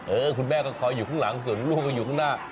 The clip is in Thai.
คุณแม่ก็คอยอยู่ข้างหลังส่วนลูกก็อยู่ข้างหน้า